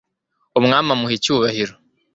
umwami amuha icyubahiro